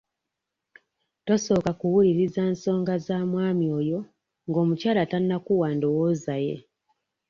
Tosooka kkuwuuliriza nsonga za mwami oyo ng'omukyala tannakuwa ndowooza ye.